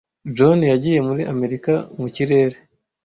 John yagiye muri Amerika mu kirere.